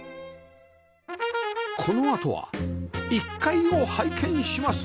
このあとは１階を拝見します